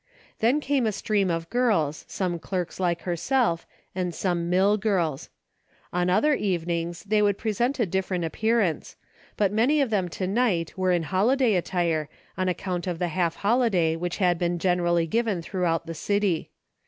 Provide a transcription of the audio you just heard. Then came a stream of girls, some clerks like herself, and some mill girls. On other evenings they would present a different appearance, but many of them to night were in holiday attire on ac count of the half holiday which had been gen erally given throughout the city.